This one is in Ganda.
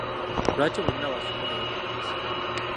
Lwaki `Bonna Basome' yetaagisa?